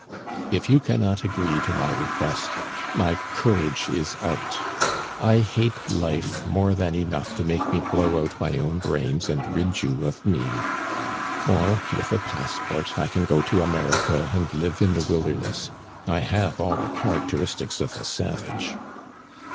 If you cannot agree to my request, my courage is out; I hate life more than enough to make me blow out my own brains and rid you of me! Or, with a passport, I can go to America and live in the wilderness. I have all the characteristics of a savage.